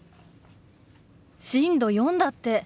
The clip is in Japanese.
震度４だって。